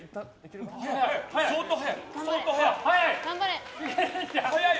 相当速い！